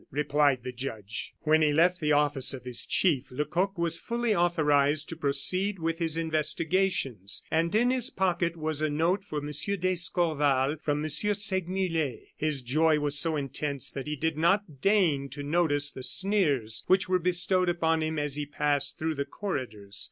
replied the judge. When he left the office of his chief, Lecoq was fully authorized to proceed with his investigations, and in his pocket was a note for M. d'Escorval from M. Segmuller. His joy was so intense that he did not deign to notice the sneers which were bestowed upon him as he passed through the corridors.